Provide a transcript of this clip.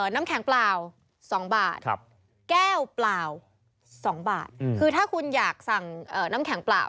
น้ำแข็งเปล่า๒บาทแก้วเปล่า๒บาทคือถ้าคุณอยากสั่งน้ำแข็งเปล่า